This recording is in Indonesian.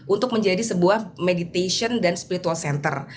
untuk menjadi sebuah meditation dan spiritual center